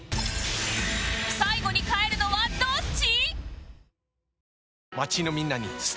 最後に帰るのはどっち？